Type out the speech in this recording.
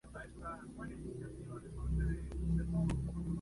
En televisión participó como actor de Teleteatros.